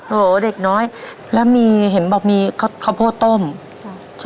โหเด็กน้อยแล้วเห็นมามีครอปโป้ต้มจ้ะ